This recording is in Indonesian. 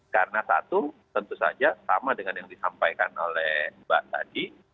karena satu tentu saja sama dengan yang disampaikan oleh mbak tadi